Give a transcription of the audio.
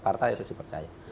partai harus dipercaya